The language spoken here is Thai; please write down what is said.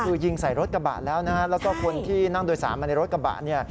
คือยิงใส่รถกระบะแล้วนะฮะแล้วก็คนที่นั่งโดยสารมาในรถกระบะเนี่ย